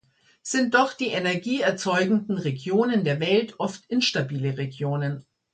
Sind doch die Energie erzeugenden Regionen der Welt oft instabile Regionen.